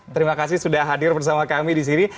terima kasih sudah hadir bersama kami disini